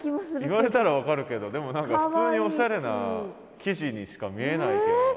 言われたら分かるけどでも何か普通におしゃれな生地にしか見えないけど。